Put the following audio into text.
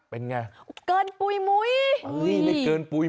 เป็นไงเกินปุ๋ยมุ้ย